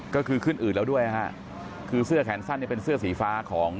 ก็คือขึ้นอืดแล้วด้วยฮะคือเสื้อแขนสั้นเนี่ยเป็นเสื้อสีฟ้าของ